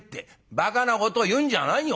「ばかなことを言うんじゃないよ。